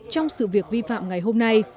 trong sự việc vi phạm ngày hôm nay